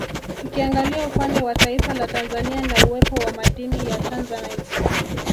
Tukiangalia upande wa taifa la Tanzania na uwepo wa madini ya Tanzanite